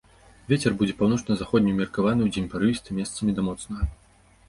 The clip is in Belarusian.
Вецер будзе паўночна-заходні ўмеркаваны, удзень парывісты, месцамі да моцнага.